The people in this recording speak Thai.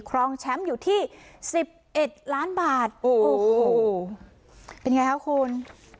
ครองแชมป์อยู่ที่๑๑ล้านบาทโอ้โหเป็นไงคะคุณ